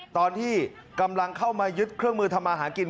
ตอนที่กำลังเข้ามายึดเครื่องมือทำมาหากิน